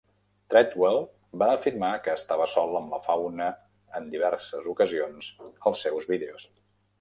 Treadwell va afirmar que estava sol amb la fauna en diverses ocasions als seus vídeos.